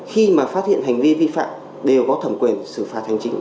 khi mà phát hiện hành vi vi phạm đều có thẩm quyền xử phạt hành chính